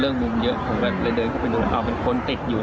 มุมเยอะผมแบบเลยเดินเข้าไปดูเอาเป็นคนติดอยู่